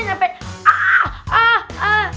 nyampe ah ah ah